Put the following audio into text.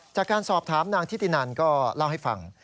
จากการสอบถามนางทิตินันก็เล่าให้ฟัง